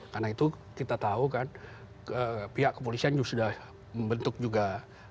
karena itu kita tahu kan pihak kepolisian sudah membentuk juga tim berpengaruh